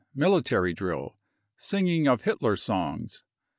Military drill ; singing of Hitler songs.